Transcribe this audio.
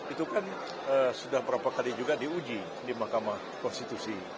itu kan sudah berapa kali juga diuji di mahkamah konstitusi